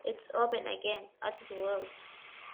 It is open again at twelve.